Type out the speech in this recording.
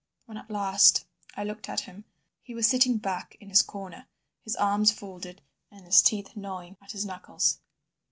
When at last I looked at him he was sitting back in his corner, his arms folded, and his teeth gnawing at his knuckles.